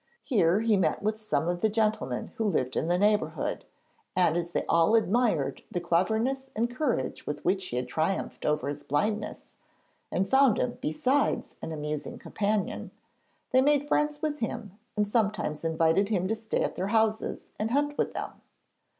Here he met with some of the gentlemen who lived in the neighbourhood, and as they all admired the cleverness and courage with which he had triumphed over his blindness, and found him besides an amusing companion, they made friends with him and sometimes invited him to stay in their houses and hunt with them.